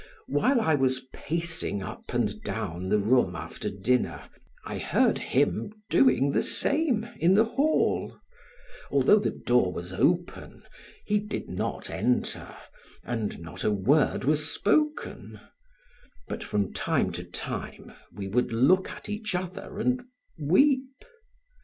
While I was pacing up and down the room after dinner, I heard him doing the same in the hall; although the door was open, he did not enter and not a word was spoken; but from time to time we would look at each other and weep.